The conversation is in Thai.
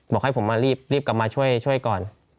บอกให้ผมมารีบกลับมาช่วยก่อน